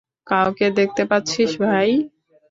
কাউকে দেখতে পাচ্ছিস ভাই?